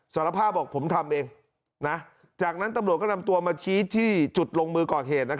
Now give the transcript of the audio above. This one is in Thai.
สารภาพบอกผมทำเองจากนั้นตำรวจก็นำตัวมาชี้ที่จุดลงมือก่อเหตุ